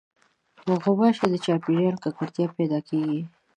غوماشې د چاپېریال له ککړتیا پیدا کېږي.